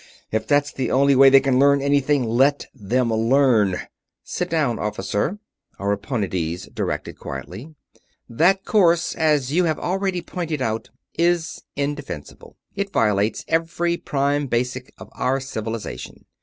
If that's the only way they can learn anything, let them learn!" "Sit down, Officer," Ariponides directed, quietly. "That course, as you have already pointed out, is indefensible. It violates every Prime Basic of our Civilization.